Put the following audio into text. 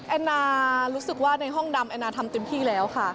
แอนนารู้สึกว่าในห้องดำแอนนาทำเต็มที่แล้วค่ะ